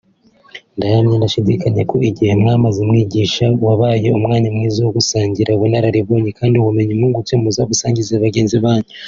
″Ndahamya ndashidikanya ko igihe mwamaze mwigishwa wabaye umwanya mwiza wo gusangira ubunararibonye; kandi ubumenyi mwungutse muzabusangize bagenzi banyu